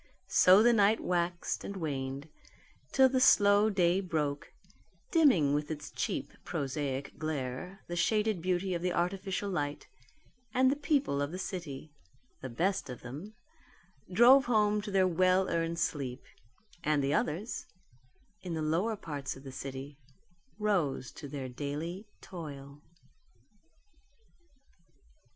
So the night waxed and waned till the slow day broke, dimming with its cheap prosaic glare the shaded beauty of the artificial light, and the people of the city the best of them drove home to their well earned sleep; and the others in the lower parts of the city rose to their daily toil.